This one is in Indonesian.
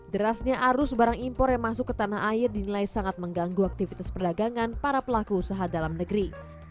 derasnya arus barang impor yang masuk ke tanah air dinilai sangat mengganggu aktivitas perdagangan para pelaku usaha dalam negeri